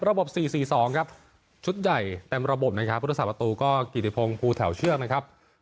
ระบบสี่สี่สองครับชุดใหญ่เต็มระบบนะครับพุทธศาสตร์ประตูก็กิจพงษ์พูดแถวเชือกนะครับ